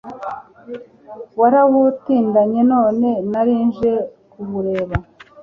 warawutindanye none nali nje kuwureba»